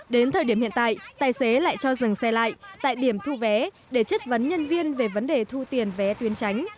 đến thời điểm hiện tại tài xế lại cho dừng xe lại tại điểm thu vé để chất vấn nhân viên về vấn đề thu tiền vé tuyến tránh